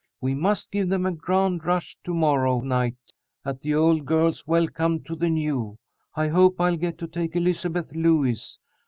We must give them a grand rush to morrow night at the old girls' welcome to the new. I hope I'll get to take Elizabeth Lewis.